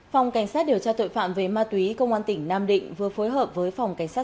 phòng cảnh sát điều tra tội phạm về ma túy công an tỉnh nam định vừa phối hợp với phòng cảnh sát